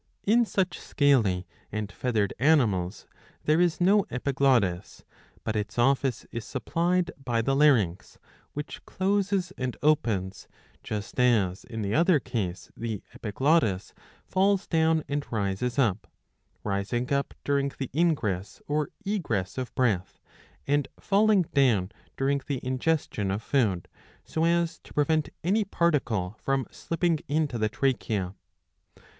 In such scaly and feathered animals there is no epiglottis, but its office is supplied by the larynx,''' which closes and opens, just as in the other case the epiglottis falls down and rises up ; rising up during the ingress or egress of breath, and falling down during the ingestion of food, so as to prevent any particle from slipping into the trachea.